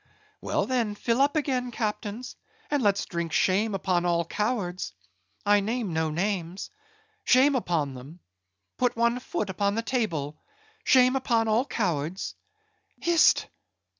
Well then, fill up again, captains, and let's drink shame upon all cowards! I name no names. Shame upon them! Put one foot upon the table. Shame upon all cowards.—Hist!